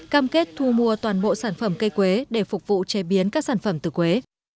cam kết thu mua toàn bộ sản phẩm cây quế để phục vụ chế biến các sản phẩm từ quế